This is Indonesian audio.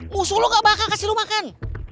musuh lo nggak bakal kasih lo makan